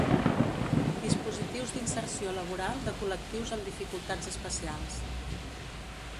Dispositius d'inserció laboral de col·lectius amb dificultats especials.